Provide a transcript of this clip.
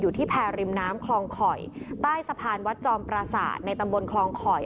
ที่แพรริมน้ำคลองข่อยใต้สะพานวัดจอมปราศาสตร์ในตำบลคลองข่อย